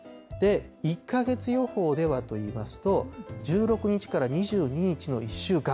１か月予報ではといいますと、１６日から２２日の１週間、